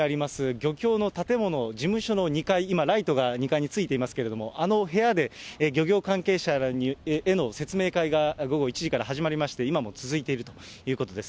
漁協の建物、事務所の２階、今、ライトが２階についていますけれども、あの部屋で、漁業関係者らへの説明会が午後１時から始まりまして、今も続いているということです。